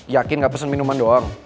yakin gak pesen minuman doang